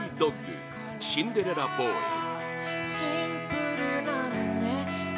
「シンデレラボーイ」